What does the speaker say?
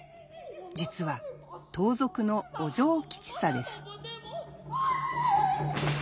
実は盗賊のお嬢吉三です。